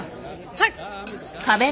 はい。